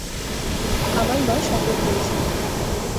আমার মা সফল হয়েছিল।